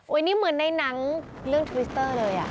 นี่เหมือนในหนังเรื่องทวิสเตอร์เลย